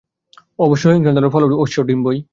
অবশ্য সহিংস আন্দোলনের ফলও অশ্বডিম্বই।